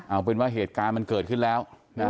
เอาเป็นว่าเหตุการณ์มันเกิดขึ้นแล้ว